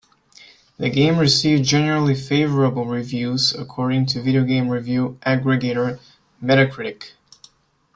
The game received "generally favorable" reviews, according to video game review aggregator Metacritic.